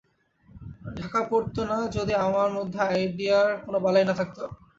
ঢাকা পড়ত না যদি আমার মধ্যে আইডিয়ার কোনো বালাই না থাকত।